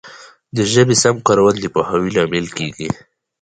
د ژبي سم کارول د پوهاوي لامل کیږي.